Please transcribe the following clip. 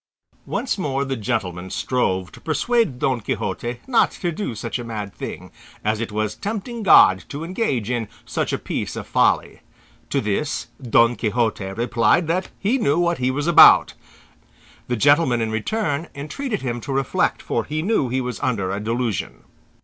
Once more the gentleman strove to persuade Don Quixote not to do such a mad thing, as it was tempting God to engage in such a piece of folly. To this, Don Quixote replied that he knew what he was about. The gentleman in return entreated him to reflect, for he knew he was under a delusion.